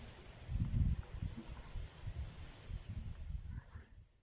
โปรดติดตามตอนต่อไป